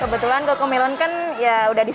kebetulan coco melon kan ya